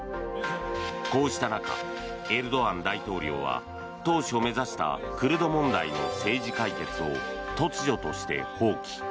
こうした中、エルドアン大統領は当初目指したクルド問題の政治解決を突如として放棄。